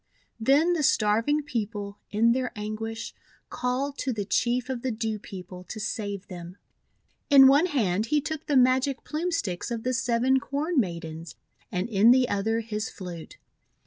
Then the starving people, in their anguish, called to the Chief of the Dew People to save them. In one hand he took the Magic Plume Sticks of the Seven Corn Maidens, and in the other his flute.